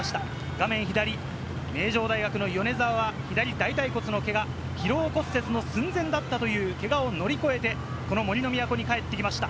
画面左、名城大学の米澤は左大腿骨のけが、疲労骨折も寸前だったというけがを乗り越えて、この杜の都に帰ってきました。